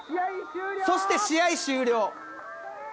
そして試合終了。